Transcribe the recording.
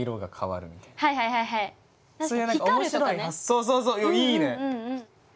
そうそうそういいね。